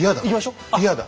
嫌だ。